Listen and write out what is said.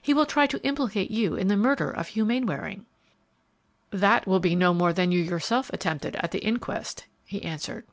He will try to implicate you in the murder of Hugh Mainwaring!" "That will be no more than you yourself attempted at the inquest," he answered.